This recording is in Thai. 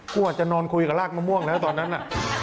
กลัวจะนอนคุยกับรากมะม่วงแล้วตอนนั้นน่ะ